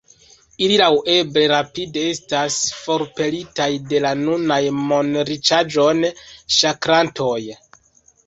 Ili laŭeble rapide estas forpelitaj de la nunaj monriĉaĵon ŝakrantoj“.